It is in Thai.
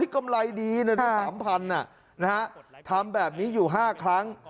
เกมไรดี๓๐๐๐บาททำแบบนี้อยู่๕ครั้ง